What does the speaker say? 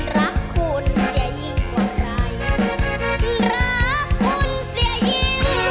รักคุณจะยิ่งกว่าใครรักคุณจะยิ่งกว่าใคร